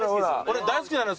俺大好きなのよ